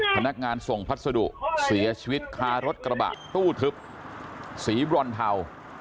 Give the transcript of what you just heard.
พนักงานส่งพัสดุเสียชีวิตคารถกระบะตู้ทึบสีบรอนเทา